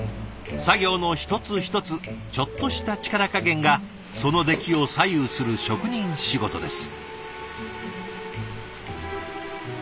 作業の一つ一つちょっとした力加減がその出来を左右する職人仕事です。